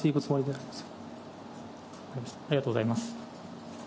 ありがとうございます。